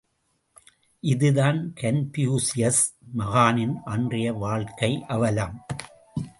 இதுதான் கன்பூசியஸ் மகானின் அன்றைய வாழ்க்கை அவலம்.